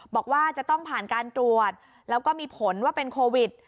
บอกว่าจะต้องผ่านการตรวจแล้วก็มีผลว่าเป็นโควิด